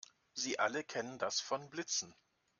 Sie alle kennen das von Blitzen.